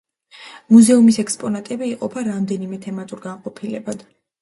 მუზეუმის ექსპონატები იყოფა რამდენიმე თემატურ განყოფილებად.